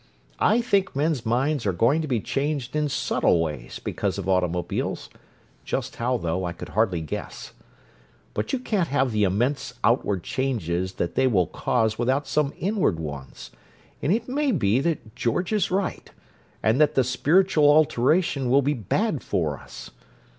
I think men's minds are going to be changed in subtle ways because of automobiles; just how, though, I could hardly guess. But you can't have the immense outward changes that they will cause without some inward ones, and it may be that George is right, and that the spiritual alteration will be bad for us.